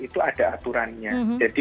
itu ada aturannya jadi